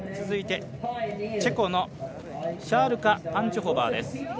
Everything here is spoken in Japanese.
続いて、チェコのシャールカ・パンチョホバーです。